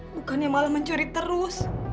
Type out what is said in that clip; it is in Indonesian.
bukannya malah mencuri terus